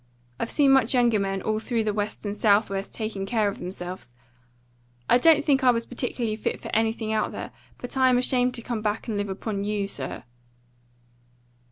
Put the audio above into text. I've seen much younger men all through the West and South west taking care of themselves. I don't think I was particularly fit for anything out there, but I am ashamed to come back and live upon you, sir."